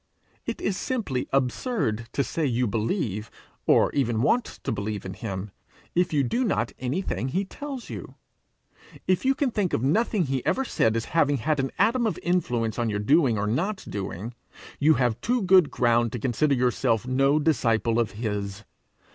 It is simply absurd to say you believe, or even want to believe in him, if you do not anything he tells you. If you can think of nothing he ever said as having had an atom of influence on your doing or not doing, you have too good ground to consider yourself no disciple of his.